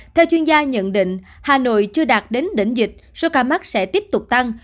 theo chuyên gia nhận định hà nội chưa đạt đến đỉnh dịch số ca mắc sẽ tiếp tục tăng